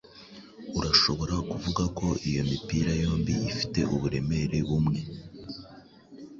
Urashobora kuvuga ko iyo mipira yombi ifite uburemere bumwe.